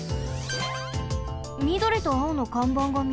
みどりとあおのかんばんがみえる。